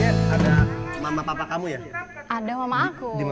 jangan kau pilih dia